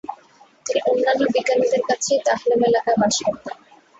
তিনি অন্যান্য বিজ্ঞানীদের কাছেই দাহলেম এলাকায় বাস করতেন।